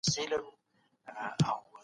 کوچي ژوند: کوچ او بار ادبيات.